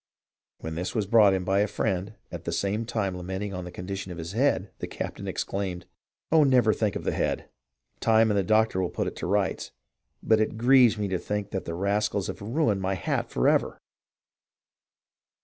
When this was brought him by a friend, at the same time lamenting the condition of his head, the captain exclaimed :" Oh, never think of the head ; time and the doctor will put that to rights. But it grieves me to think that the rascals have ruined my hat forever